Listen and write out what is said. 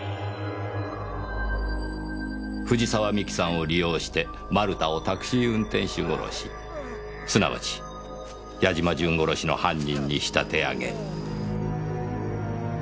藤沢美紀さんを利用して丸田をタクシー運転手殺しすなわち八嶋淳殺しの犯人に仕立て上げ。